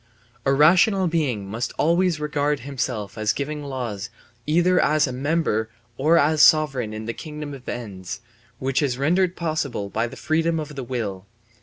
A rational being must always regard himself as giving laws either as member or as sovereign in a kingdom of ends which is rendered possible by the freedom of will.